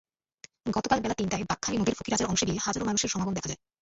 গতকাল বেলা তিনটায় বাঁকখালী নদীর ফকিরাজার অংশে গিয়ে হাজারো মানুষের সমাগম দেখা যায়।